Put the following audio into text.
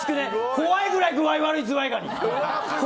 怖いぐらい具合悪いズワイガニ。